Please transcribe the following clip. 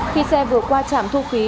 khi xe vừa qua trạm thu khí